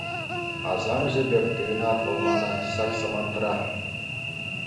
Асамҫӑ пек туйӑнать мана вӑл ҫак самантра.